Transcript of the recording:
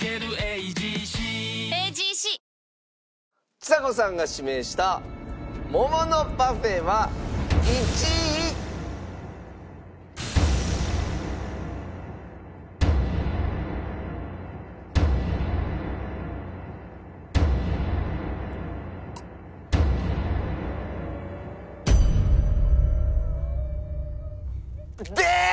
ちさ子さんが指名した桃のパフェは１位。です！